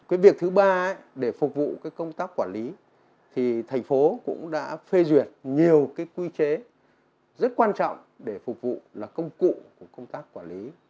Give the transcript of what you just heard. cái việc thứ ba để phục vụ công tác quản lý thì thành phố cũng đã phê duyệt nhiều cái quy chế rất quan trọng để phục vụ là công cụ của công tác quản lý